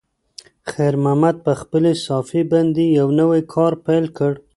خیر محمد په خپلې صافې باندې یو نوی کار پیل کړ.